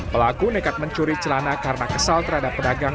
pelaku nekat mencuri celana karena kesal terhadap pedagang